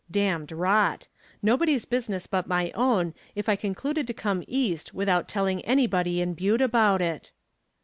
Damned rot. Nobody's business but my own if I concluded to come east without telling everybody in Butte about it.